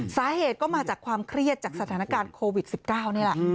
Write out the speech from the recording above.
สาเหตุก็มาจากความเครียดจากสถานการณ์โควิด๑๙นี่แหละ